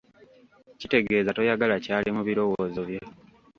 Kitegeeza toyagala kyali mu birowoozo byo?